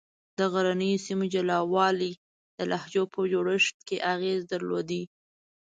د غرنیو سیمو جلا والي د لهجو په جوړښت کې اغېز درلودلی دی.